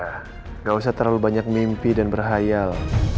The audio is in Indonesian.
tidak usah terlalu banyak mimpi dan berhayal